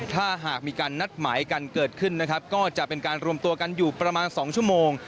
ถ้าหากมีการนัดหมายกันเกิดขึ้นนะครับก็จะเป็นการรวมตัวกันอยู่ประมาณ๒ชั่วโมง